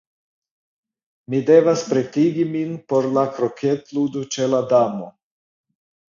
Mi devas pretigi min por la kroketludo ĉe la Damo.